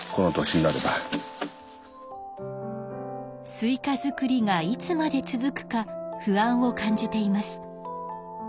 スイカ作りがいつまで続くか不安を感じています。